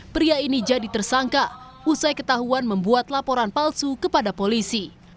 pria ini jadi tersangka usai ketahuan membuat laporan palsu kepada polisi